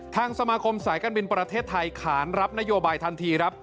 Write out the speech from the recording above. ทางสมาคมสายการบินประเทศไทยขานรับนโยบายทันทีครับ